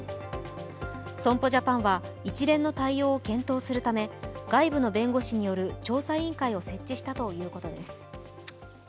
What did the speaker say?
損保ジャパンは一連の対応を検討するため外部の弁護士による調査委員会を設置したということです。